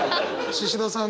シシドさん